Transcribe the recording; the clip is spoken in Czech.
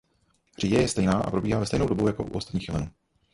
Říje je stejná a probíhá ve stejnou dobu jako u ostatních jelenů.